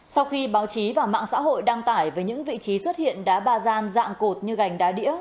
sau khi báo chí và mạng xã hội đăng tải về những vị trí xuất hiện đá ba gian dạng cột như gành đá đĩa